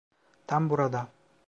Tam burada.